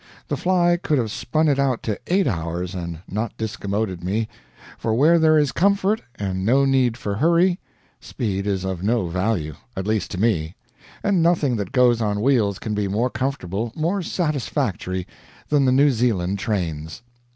The Fly could have spun it out to eight hours and not discommoded me; for where there is comfort, and no need for hurry, speed is of no value at least to me; and nothing that goes on wheels can be more comfortable, more satisfactory, than the New Zealand trains.